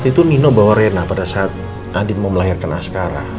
tapi nino bawa rena pada saat andi mau melahirkan askara